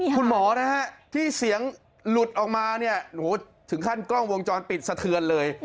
คุณหมอนะฮะที่เสียงหลุดออกมาเนี่ยถึงขั้นกล้องวงจรปิดสะเทือนเลย